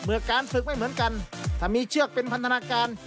การฝึกไม่เหมือนกันถ้ามีเชือกเป็นพันธนาการ